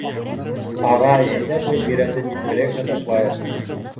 — Ағай, әйҙә шул бирәнде типкеләйек тә ташлайыҡ.